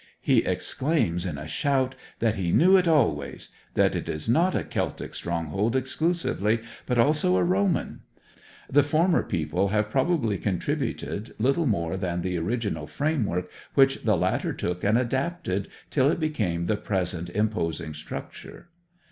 He exclaims in a shout that he knew it always that it is not a Celtic stronghold exclusively, but also a Roman; the former people having probably contributed little more than the original framework which the latter took and adapted till it became the present imposing structure.